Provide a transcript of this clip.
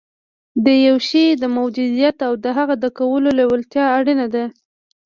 د یوه شي د موجودیت او د هغه د کولو لېوالتیا اړینه ده